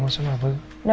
masalah apa sih